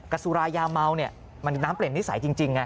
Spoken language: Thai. สุรายาเมาเนี่ยมันน้ำเปลี่ยนนิสัยจริงไง